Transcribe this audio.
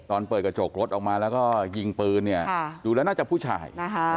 เปิดกระจกรถออกมาแล้วก็ยิงปืนเนี่ยดูแล้วน่าจะผู้ชาย